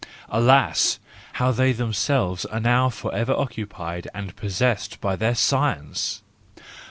Alas! how they them¬ selves are now for ever occupied and possessed by their science!